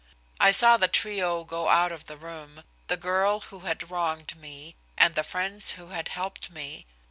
I saw the trio go out of the room, the girl who had wronged me, and the friends who had helped me.